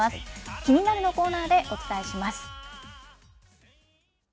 キニナル！のコーナーでお伝えします。